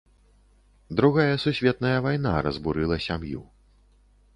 Другая сусветная вайна разбурыла сям'ю.